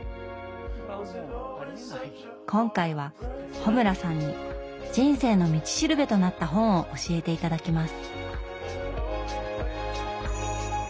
今回は穂村さんに「人生の道しるべ」となった本を教えて頂きます。